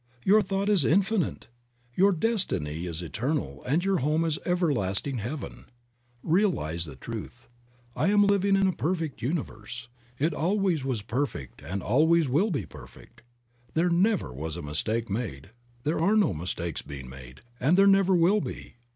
Your thought is infinite. Your destiny is eternal and your home is everlast ing heaven. Realize the truth — I am living in a perfect universe, it always was perfect and always will be perfect. There never was a mistake made, there are no mistakes being made, and there never will be.